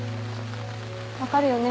分かるよね？